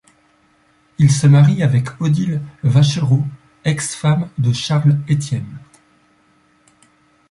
Il se marie avec Odile Vacherot, ex-femme de Charles Estienne.